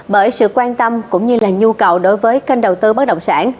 bởi sự quan tâm cũng như là nhu cầu đối với kênh đầu tư bất động sản